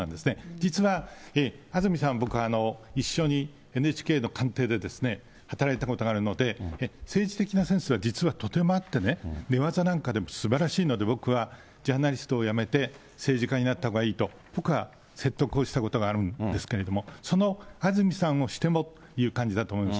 実は安住さん、僕、一緒にＮＨＫので働いたことがあるので、政治的なセンスは実はとてもあってね、なんかでも、すばらしいので、僕はジャーナリストをやめて、政治家になったほうがいいと、僕は、説得をしたことがあるんですけれども、その安住さんをしてもという感じだと思います。